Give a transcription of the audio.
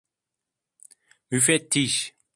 Müfettiş!